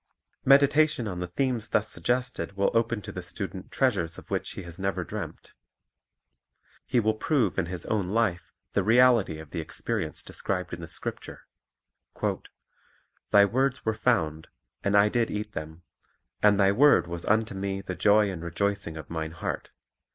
Meditation on the themes thus suggested will open "Great t o j ftg student treasures of which he has never dreamed. Reward" He will prove in his own life the reality of the experi ence described in the scripture: — "Thy words were found, and I did eat them; and Thy word was unto me the joy and rejoicing of mine heart."'